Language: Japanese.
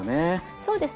そうですね。